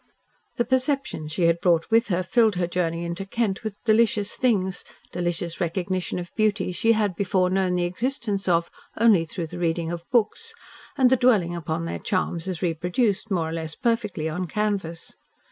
The perceptions she had brought with her filled her journey into Kent with delicious things, delicious recognition of beauties she had before known the existence of only through the reading of books, and the dwelling upon their charms as reproduced, more or less perfectly, on canvas.